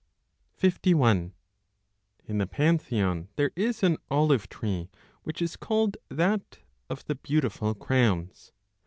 51 In the Pantheon 2 there is an olive tree, which is called that of the beautiful crowns